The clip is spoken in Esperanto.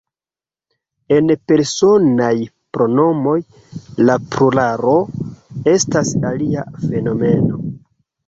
En Personaj pronomoj, la pluralo estas alia fenomeno.